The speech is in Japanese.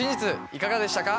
いかがでしたか？